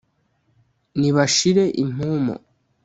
nibashire impumu